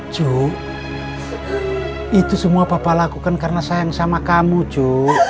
juk itu semua bapak lakukan karena sayang sama kamu cu